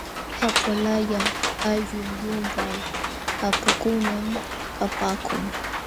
Apuqalaya ayllu llumpay apukunam kapaakun.